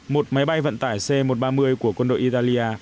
một máy bay vận tải c một trăm ba mươi của quân đội italia